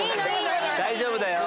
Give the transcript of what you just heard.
大丈夫だよ。